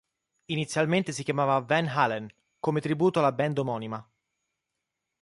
Inizialmente si chiamava "Van Halen" come tributo alla band omonima.